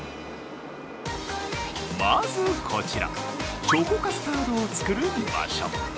まずこちら、チョコカスタードを作る場所。